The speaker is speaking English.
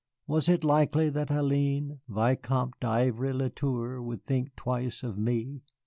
Was it likely that Hélène, Vicomtesse d'Ivry le Tour, would think twice of me?